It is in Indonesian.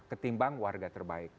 ketimbang warga terbaik